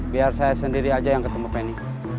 biar saya sendiri aja yang ketemu penny